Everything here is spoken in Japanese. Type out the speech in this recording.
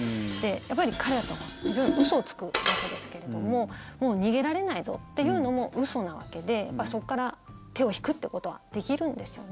やっぱり彼らって嘘をつくわけですけれどももう逃げられないぞっていうのも嘘なわけでそこから手を引くってことはできるんですよね。